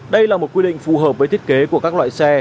đây là một quy định phù hợp với thiết kế của các loại xe